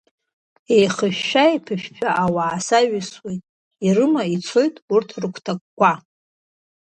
Еихьышәшәа-еиԥышәшәо ауаа саҩсуеит, ирыма ицоит урҭ рыгәҭакқәа.